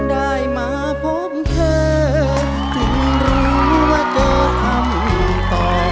ได้มาพบเธอจึงรู้ว่าเธอทำต่อ